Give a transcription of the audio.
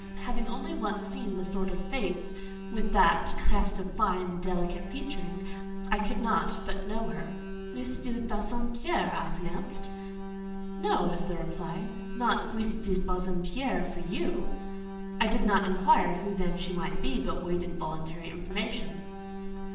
Having only once seen that sort of face, with that cast of fine and delicate featuring, I could not but know her. "Miss de Bassompierre," I pronounced. "No," was the reply, "not Miss de Bassompierre for you!" I did not inquire who then she might be, but waited voluntary information.